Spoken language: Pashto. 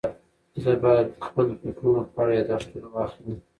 زه باید د خپلو فکرونو په اړه یاداښتونه واخلم.